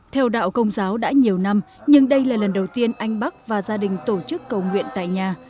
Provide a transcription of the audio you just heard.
theo đạo công giáo đã nhiều năm nhưng đây là lần đầu tiên anh bắc và gia đình tổ chức cầu nguyện tại nhà